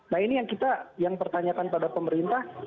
nah ini yang kita yang pertanyakan pada pemerintah